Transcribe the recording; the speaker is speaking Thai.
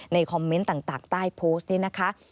คอมเมนต์ต่างใต้โพสต์นี้นะคะ